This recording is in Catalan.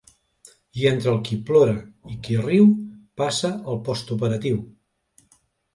I entre el qui plora i qui riu passa el post-operatiu.